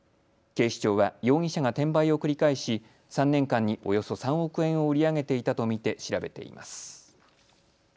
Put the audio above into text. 警視庁は容疑者が転売を繰り返し３年間におよそ３億円を売り上げていたと見て調べています。